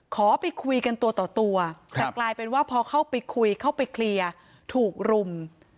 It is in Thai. ขอไปคุยกันตัวต่อตัวแต่กลายเป็นว่าพอเข้าไปคุยเข้าไปเคลียร์ถูกรุม